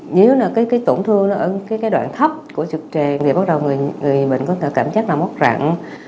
nếu là cái tổn thương nó ở cái đoạn thấp của trực tràng thì bắt đầu người bệnh có thể cảm giác là mất rặn